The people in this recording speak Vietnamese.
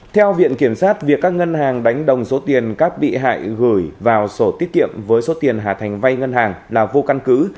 theo viện kiểm sát việc các ngân hàng đánh đồng số tiền các bị hại gửi vào sổ tiết kiệm với số tiền hà thành vay ngân hàng là vô căn cứ